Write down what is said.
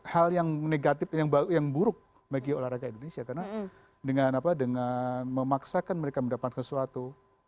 hal yang negatif yang buruk bagi olahraga indonesia karena dengan memaksakan mereka mendapatkan sesuatu